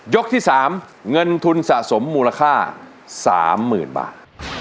ยกที่๓เงินทุนสะสมมูลค่า๓หมื่นบาท